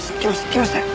来ましたよ！